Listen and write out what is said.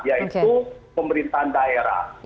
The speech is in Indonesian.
yaitu pemerintahan daerah